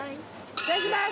いただきます！